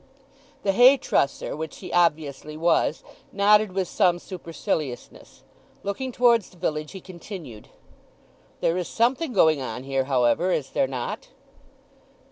The hay trusser, which he obviously was, nodded with some superciliousness. Looking towards the village, he continued, "There is something going on here, however, is there not?"